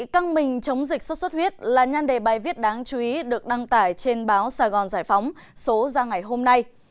căng mình chống dịch sốt xuất huyết là nhan đề bài viết đáng chú ý được đăng tải trên báo sài gòn giải phóng số ra ngày hôm nay